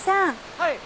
はい。